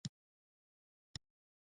ایا زه باید د نعناع چای وڅښم؟